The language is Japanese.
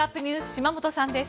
島本さんです。